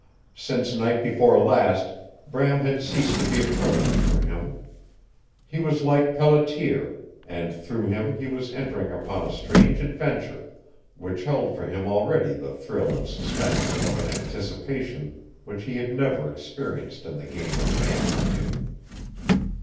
Since night before last Bram had ceased to be a criminal for him. He was like Pelletier, and through him he was entering upon a strange adventure which held for him already the thrill and suspense of an anticipation which he had never experienced in the game of man hunting.